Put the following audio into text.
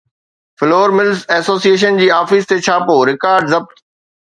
floor mills association جي office تي ڇاپو، رڪارڊ ضبط